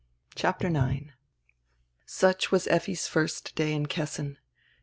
CHAPTER IX SUCH was Effi's first day in Kessin.